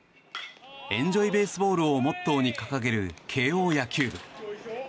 エンジョイ・ベースボールをモットーに掲げる慶應野球部。